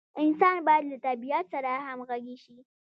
انسان باید له طبیعت سره همغږي شي.